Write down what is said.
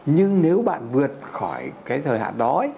nhưng nếu bạn vượt khỏi cái thời hạn đó